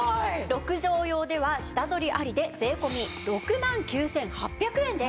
６畳用では下取り有りで税込６万９８００円です。